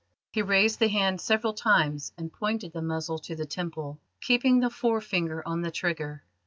He raised the hand several times, and pointed the muzzle to the temple, keeping the forefinger on the trigger.